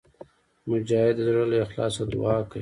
مجاهد د زړه له اخلاصه دعا کوي.